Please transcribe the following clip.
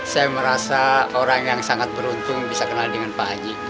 saya merasa orang yang sangat beruntung bisa kenal dengan pak haji